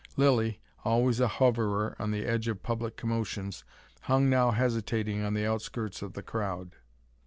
Lilly, always a hoverer on the edge of public commotions, hung now hesitating on the outskirts of the crowd.